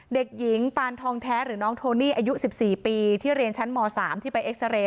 เด็กหญิงปานทองแท้หรือน้องโทนี่อายุ๑๔ปีที่เรียนชั้นม๓ที่ไปเอ็กซาเรย์